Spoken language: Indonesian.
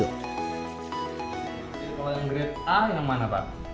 jadi kalau yang grade a yang mana pak